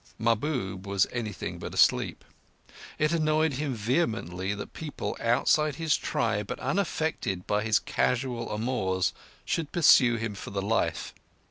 Mahbub was anything but asleep. It annoyed him vehemently that people outside his tribe and unaffected by his casual amours should pursue him for the life.